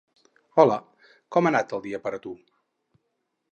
Hola, com ha anat el dia per a tu?